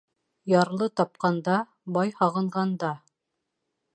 Ярлы тапҡанда, бай һағынғанда.